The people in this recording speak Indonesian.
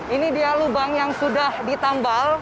ini dia lubang yang sudah ditambal